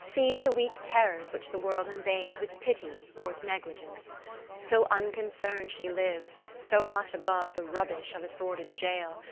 Sees the weak terrors which the World invade With pity or with negligence. XII So unconcern'd she lives, so much above The rubbish of a sordid jail.